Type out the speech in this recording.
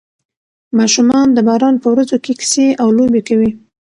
ماشومان د باران په ورځو کې کیسې او لوبې کوي.